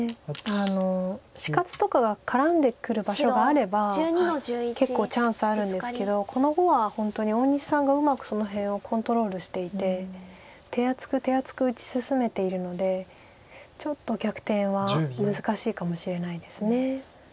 死活とかが絡んでくる場所があれば結構チャンスあるんですけどこの碁は本当に大西さんがうまくその辺をコントロールしていて手厚く手厚く打ち進めているのでちょっと逆転は難しいかもしれないです。